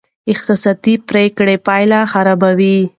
احساساتي پرېکړې پایلې خرابوي.